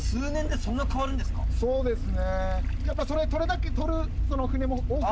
そうですね